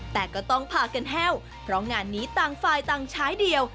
แต่ก็ต้องพากันแห้วเพราะงานนี้ต่างฝ่ายต่างใช้เดียว